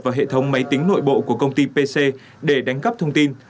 vào hệ thống máy tính nội bộ của công ty pc để đánh cắp thông tin